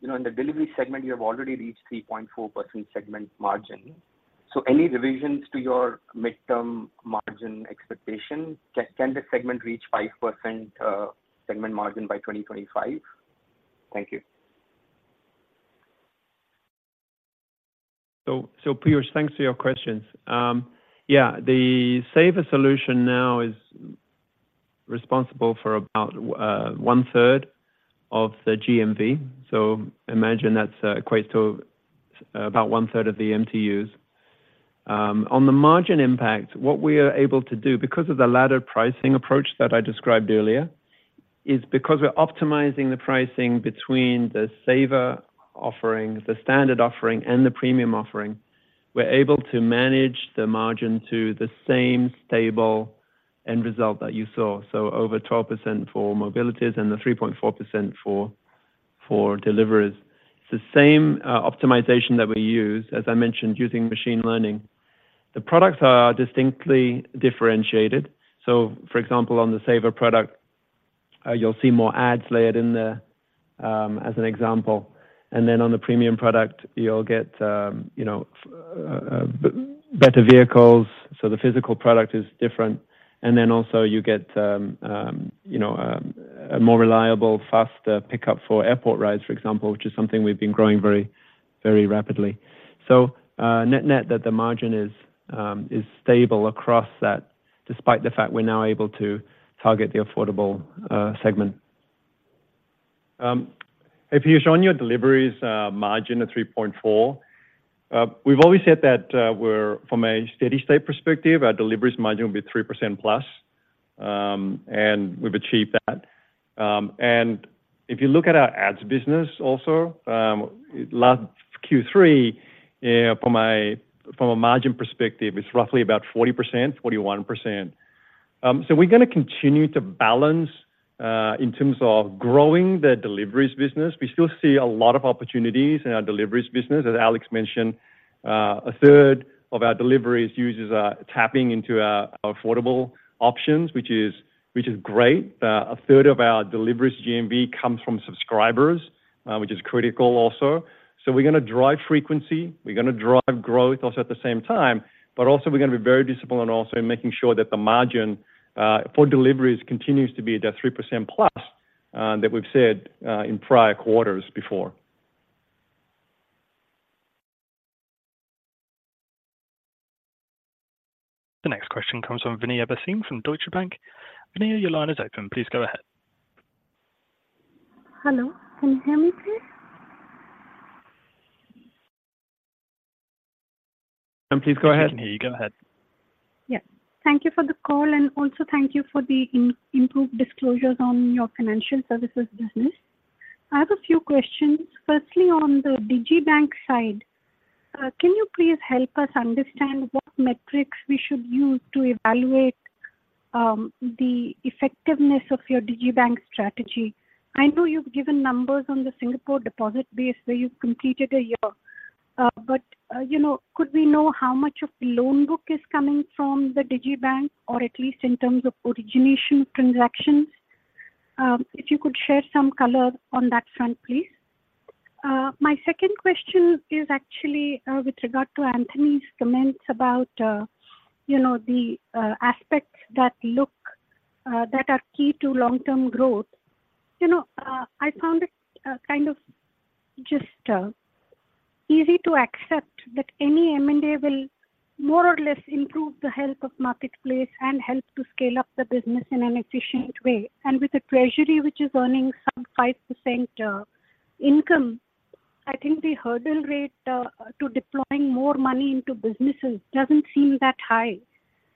know, in the delivery segment, you have already reached 3.4% segment margin. So any revisions to your midterm margin expectation, can the segment reach 5% segment margin by 2025? Thank you. So, Piyush, thanks for your questions. Yeah, the saver solution now is responsible for about one third of the GMV. So imagine that's equates to about one third of the MTUs. On the margin impact, what we are able to do, because of the ladder pricing approach that I described earlier, is because we're optimizing the pricing between the saver offering, the standard offering, and the premium offering, we're able to manage the margin to the same stable end result that you saw. So over 12% for mobilities and the 3.4% for deliveries. It's the same optimization that we use, as I mentioned, using machine learning. The products are distinctly differentiated. So for example, on the saver product, you'll see more ads layered in there, as an example. Then on the premium product, you'll get, you know, better vehicles, so the physical product is different. And then also you get, you know, a more reliable, faster pickup for airport rides, for example, which is something we've been growing very, very rapidly. So, net-net that the margin is stable across that, despite the fact we're now able to target the affordable segment. If you show on your deliveries, margin of 3.4, we've always said that, we're from a steady state perspective, our deliveries margin will be 3%+, and we've achieved that. And if you look at our ads business also, last Q3, from a margin perspective, it's roughly about 40%, 41%. So we're gonna continue to balance, in terms of growing the deliveries business. We still see a lot of opportunities in our deliveries business. As Alex mentioned, a third of our deliveries users are tapping into our affordable options, which is, which is great. A third of our deliveries GMV comes from subscribers, which is critical also. So we're gonna drive frequency, we're gonna drive growth also at the same time, but also we're gonna be very disciplined also in making sure that the margin for deliveries continues to be the 3% plus that we've said in prior quarters before. The next question comes from Reena Bhasin, from Deutsche Bank. Vineeth, your line is open. Please go ahead. Hello, can you hear me, please? Please go ahead, we can hear you. Go ahead. Yeah. Thank you for the call, and also thank you for the improved disclosures on your financial services business. I have a few questions. Firstly, on the digibank side, can you please help us understand what metrics we should use to evaluate the effectiveness of your digibank strategy? I know you've given numbers on the Singapore deposit base, where you've completed a year, but you know, could we know how much of the loan book is coming from the digibank, or at least in terms of origination transactions? If you could share some color on that front, please. My second question is actually with regard to Anthony's comments about you know, the aspects that look that are key to long-term growth. You know, I found it, kind of just, easy to accept that any M&A will more or less improve the health of marketplace and help to scale up the business in an efficient way. And with the treasury, which is earning some 5%, income, I think the hurdle rate, to deploying more money into businesses doesn't seem that high.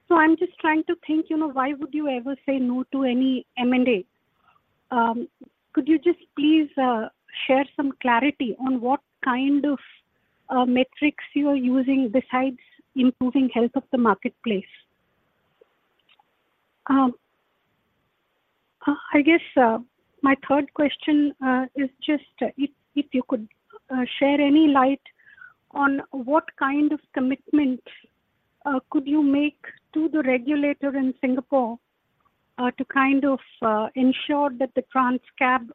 So I'm just trying to think, you know, why would you ever say no to any M&A? Could you just please, share some clarity on what kind of, metrics you are using besides improving health of the marketplace? I guess, my third question is just if you could share any light on what kind of commitment could you make to the regulator in Singapore to kind of ensure that the Trans-Cab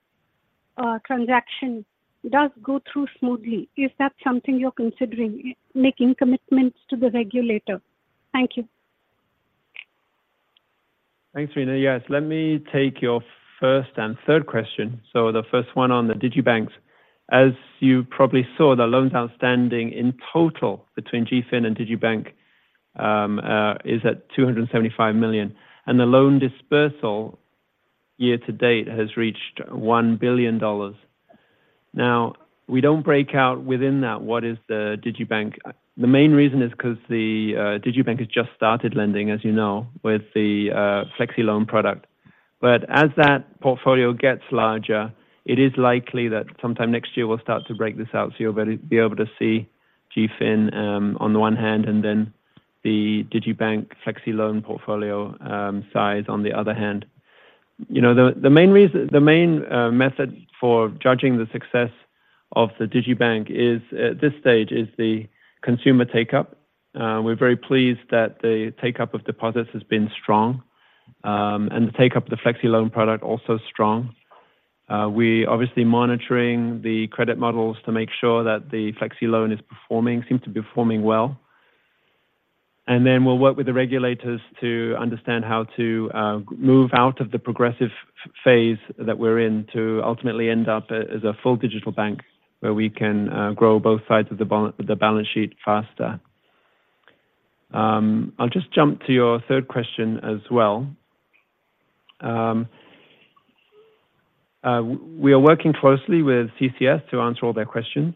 transaction does go through smoothly? Is that something you're considering, making commitments to the regulator? Thank you. Thanks, Reena. Yes, let me take your first and third question. So the first one on the digital banks. As you probably saw, the loans outstanding in total between GFin and digital bank is at $275 million, and the loan disbursement year to date has reached $1 billion. Now, we don't break out within that what is the digital bank. The main reason is 'cause the digital bank has just started lending, as you know, with the FlexiLoan product. But as that portfolio gets larger, it is likely that sometime next year we'll start to break this out, so you'll be able to see GFin on the one hand, and then the digital bank FlexiLoan portfolio size on the other hand. You know, the main method for judging the success of the Digibank is, at this stage, the consumer take-up. We're very pleased that the take-up of deposits has been strong, and the take-up of the FlexiLoan product also strong. We obviously monitoring the credit models to make sure that the FlexiLoan is performing, seems to be performing well. And then we'll work with the regulators to understand how to move out of the progressive phase that we're in to ultimately end up as a full digital bank, where we can grow both sides of the balance sheet faster. I'll just jump to your third question as well. We are working closely with CCS to answer all their questions.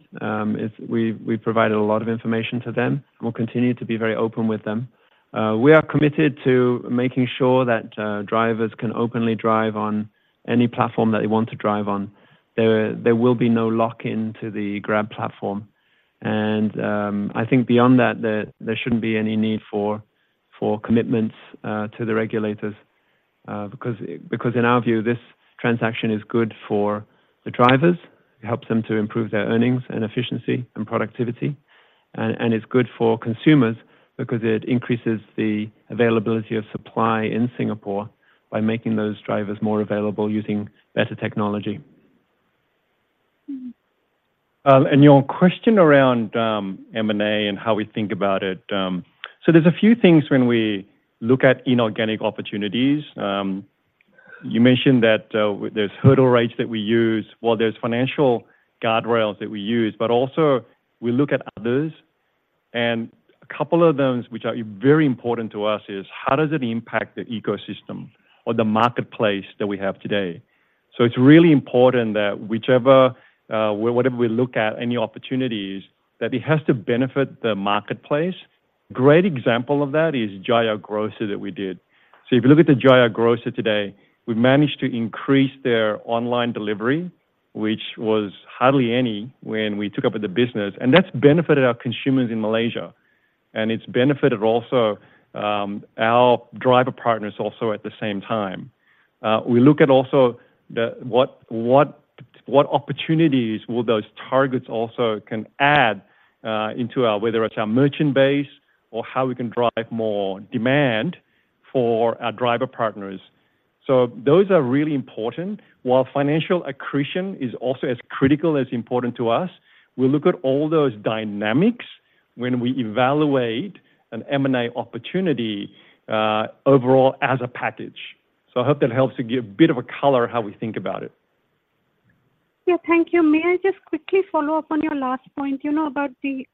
We've, we've provided a lot of information to them, and we'll continue to be very open with them. We are committed to making sure that, drivers can openly drive on any platform that they want to drive on. There, there will be no lock-in to the Grab platform. And, I think beyond that, there, there shouldn't be any need for, for commitments, to the regulators, because, because in our view, this transaction is good for the drivers. It helps them to improve their earnings and efficiency and productivity, and, it's good for consumers because it increases the availability of supply in Singapore by making those drivers more available using better technology. And your question around, M&A and how we think about it, so there's a few things when we look at inorganic opportunities. You mentioned that there's hurdle rates that we use. Well, there's financial guardrails that we use, but also we look at others, and a couple of those, which are very important to us, is how does it impact the ecosystem or the marketplace that we have today? So it's really important that whichever, whatever we look at, any opportunities, that it has to benefit the marketplace. Great example of that is Jaya Grocer that we did. So if you look at the Jaya Grocer today, we've managed to increase their online delivery, which was hardly any when we took over the business, and that's benefited our consumers in Malaysia, and it's benefited also, our driver partners also at the same time. We look at also the what opportunities will those targets also can add into our whether it's our merchant base or how we can drive more demand for our driver partners. So those are really important. While financial accretion is also as critical, as important to us, we look at all those dynamics when we evaluate an M&A opportunity overall as a package. So I hope that helps to give a bit of a color how we think about it. Yeah, thank you. May I just quickly follow up on your last point, you know, about the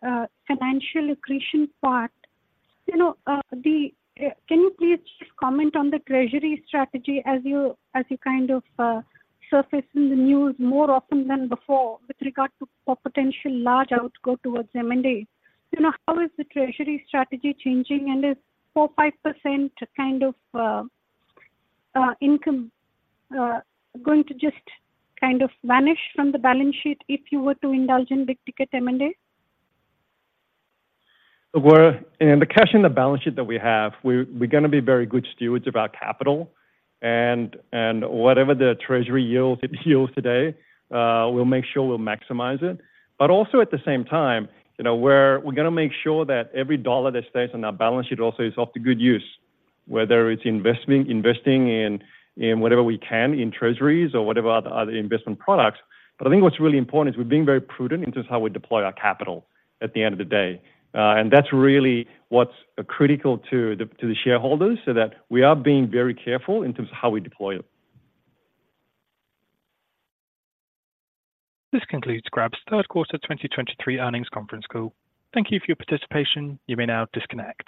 financial accretion part? You know, can you please just comment on the treasury strategy as you, as you kind of surface in the news more often than before with regard to potential large outgo towards M&A? You know, how is the treasury strategy changing, and is 4%-5% kind of income going to just kind of vanish from the balance sheet if you were to indulge in big-ticket M&A? Well, in the cash in the balance sheet that we have, we're gonna be very good stewards of our capital, and whatever the treasury yields, it yields today, we'll make sure we'll maximize it. But also at the same time, you know, we're gonna make sure that every dollar that stays on our balance sheet also is off to good use, whether it's investing in whatever we can in treasuries or whatever other investment products. But I think what's really important is we're being very prudent in terms of how we deploy our capital at the end of the day. And that's really what's critical to the shareholders, so that we are being very careful in terms of how we deploy it. This concludes Grab's third quarter 2023 earnings conference call. Thank you for your participation. You may now disconnect.